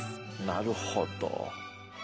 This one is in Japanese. なるほど。